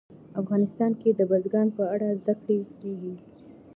افغانستان کې د بزګان په اړه زده کړه کېږي.